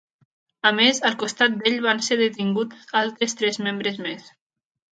A més, al costat d'ell van ser detinguts altres tres membres més.